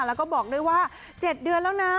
แล้วก็บอกด้วยว่า๗เดือนแล้วนะ